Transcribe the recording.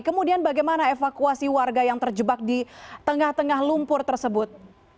kemudian bagaimana evakuasi warga yang terjebak di tengah tengah lumpur tersebut